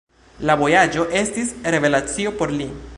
La vojaĝo estis revelacio por li.